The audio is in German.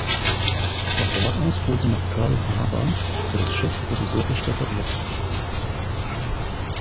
Von dort aus fuhr sie nach Pearl Harbor, wo das Schiff provisorisch repariert wurde.